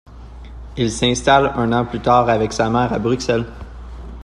Il s'installe un an plus tard avec sa mère à Bruxelles.